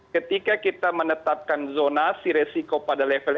ketika kita menetapkan zona si resiko pada level rt rw sebenarnya itu pada level masyarakat